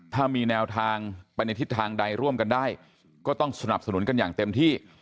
ถ้ามีแนวทางไปในทิศทางใดร่วมกันได้ก็ต้องสนับสนุนกันอย่างเต็มที่